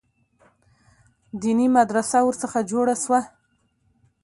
دیني مدرسه ورڅخه جوړه سوه.